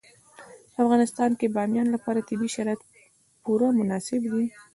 په افغانستان کې د بامیان لپاره طبیعي شرایط پوره مناسب دي.